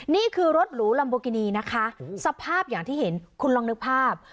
นี่คือรถหรูลัมโบกินีนะคะสภาพอย่างที่เห็นคุณลองนึกภาพ